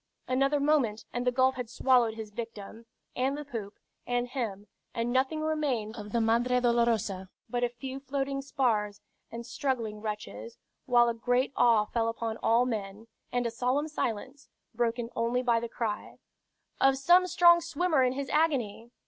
Another moment and the gulf had swallowed his victim, and the poop, and him; and nothing remained of the Madre Dolorosa but a few floating spars and struggling wretches, while a great awe fell upon all men, and a solemn silence, broken only by the cry "Of some strong swimmer in his agony."